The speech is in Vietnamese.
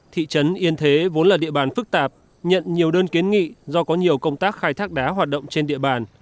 thị trấn yên thế vốn là địa bàn phức tạp nhận nhiều đơn kiến nghị do có nhiều công tác khai thác đá hoạt động trên địa bàn